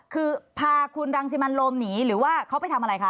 คือพาคุณรังสิมันโรมหนีหรือว่าเขาไปทำอะไรคะ